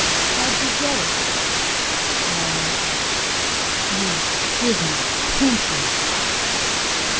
"How'd you get it?" No answer. "You didn't pinch it?"